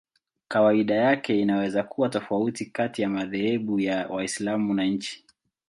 Kawaida yake inaweza kuwa tofauti kati ya madhehebu ya Waislamu na nchi.